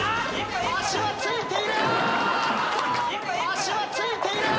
足はついている！